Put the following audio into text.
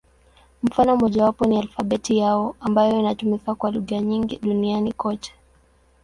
Mfano mmojawapo ni alfabeti yao, ambayo inatumika kwa lugha nyingi duniani kote.